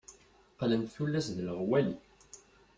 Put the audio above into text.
Qqlent tullas d leɣwali.